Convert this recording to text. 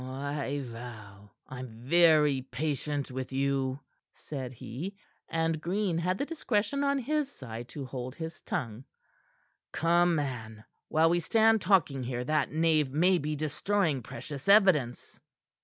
"I vow I'm very patient with you," said he, and Green had the discretion on his side to hold his tongue. "Come, man, while we stand talking here that knave may be destroying precious evidence."